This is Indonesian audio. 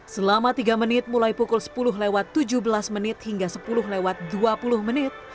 selama tiga menit mulai pukul sepuluh lewat tujuh belas menit hingga sepuluh lewat dua puluh menit